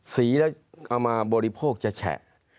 สีแล้วเอามาบริโภคจะแฉะ